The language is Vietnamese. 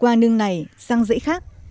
qua nương này sang rẫy khác